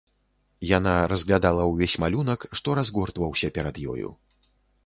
Яна разглядала ўвесь малюнак, што разгортваўся перад ёю.